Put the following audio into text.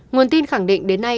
nguồn tin khẳng định đến nay